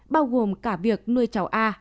bao gồm cả việc nuôi cháu a